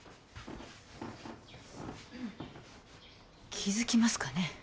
気づきますかね？